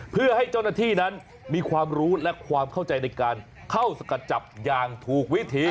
เพื่อให้เจ้าหน้าที่นั้นมีความรู้และความเข้าใจในการเข้าสกัดจับอย่างถูกวิธี